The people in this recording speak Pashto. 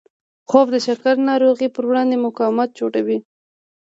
خوب د شکر ناروغۍ پر وړاندې مقاومت جوړوي